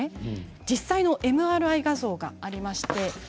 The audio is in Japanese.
実際のＭＲＩ画像があります。